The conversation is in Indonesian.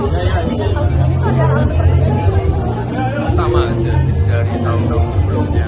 biasanya misalnya kita langsung ke rumah